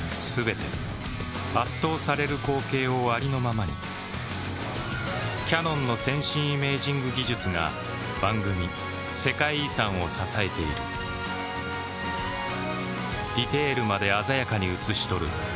全て圧倒される光景をありのままにキヤノンの先進イメージング技術が番組「世界遺産」を支えているディテールまで鮮やかに映し撮る